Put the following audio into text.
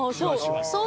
そう。